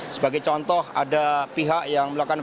sebagai contoh ada pihak yang melakukan